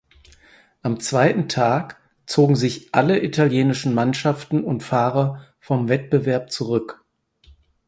Am zweiten Tag zogen sich alle italienischen Mannschaften und Fahrer vom Wettbewerb zurück.